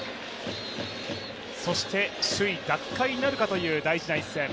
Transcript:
そして首位奪回なるかという大事な一戦。